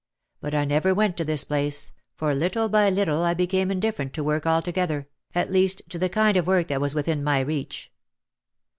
But I never went to this place, for little by little I became indifferent to work altogether, at least to the kind of work that was within my reach.